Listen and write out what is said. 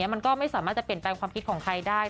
มันก็ไม่สามารถจะเปลี่ยนแปลงความคิดของใครได้